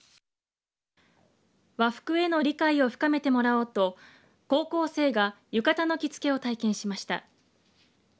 和服への理解を深めてもらおうと高校生が浴衣の着付けを体験しました。